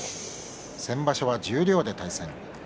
先場所は十両で対戦。